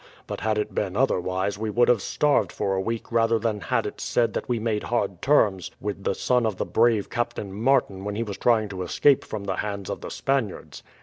But had it been otherwise, we would have starved for a week rather than had it said that we made hard terms with the son of the brave Captain Martin when he was trying to escape from the hands of the Spaniards."